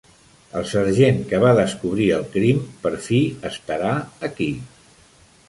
El sergent que va descobrir el crim per fi estarà aquí.